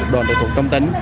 đoàn đội tục công tính